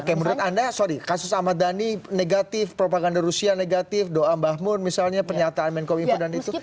oke menurut anda sorry kasus ahmad dhani negatif propaganda rusia negatif doa mbah mun misalnya pernyataan menkom info dan itu